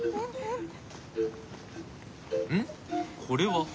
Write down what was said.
これは。